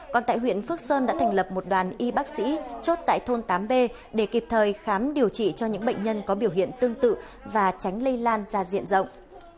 còn tại huyện phước sơn đã thành lập một đoàn y bác sĩ chốt tại thôn tám b để kịp thời khám điều trị cho những bệnh nhân có biểu hiện tương tự và tránh lây lan ra diện rộng